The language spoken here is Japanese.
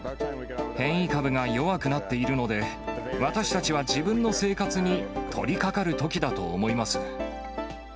変異株が弱くなっているので、私たちは自分の生活に取りかかるときだと思います。